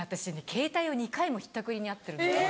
ケータイを２回もひったくりに遭ってるんですよ。